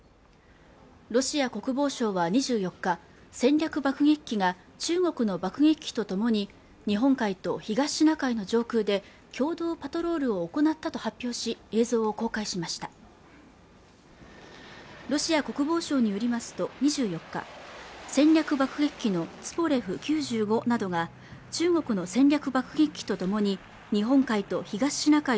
ロシア国防省は２４日戦略爆撃機が中国の爆撃機とともに日本海と東シナ海の上空で共同パトロールを行ったと発表し映像を公開しましたロシア国防省によりますと２４日戦略爆撃機のツポレフ９５などが中国の戦略爆撃機とともに日本海と東シナ海